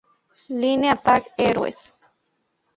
Line Attack Heroes